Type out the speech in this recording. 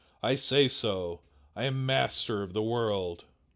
I say so! I am Master of the World!"